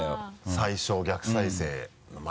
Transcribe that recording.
最初逆再生の前。